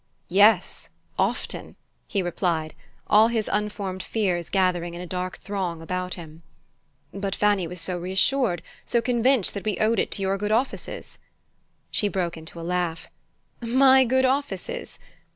"Yes, often," he replied, all his unformed fears gathering in a dark throng about him. "But Fanny was so reassured, so convinced that we owed it to your good offices " She broke into a laugh. "My good offices!